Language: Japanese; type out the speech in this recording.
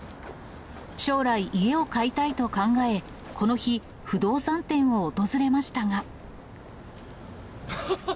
将来、家を買いたいと考え、この日、不動産店を訪れましたが。